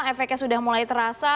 efeknya sudah mulai terasa